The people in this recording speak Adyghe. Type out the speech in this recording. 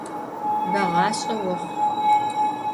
Beğaş'e voxhu!